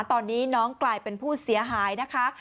ตอนนี้น้องกลายเป็นผู้เสียหายนะคะ